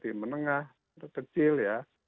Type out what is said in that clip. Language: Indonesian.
di menengah kecil ya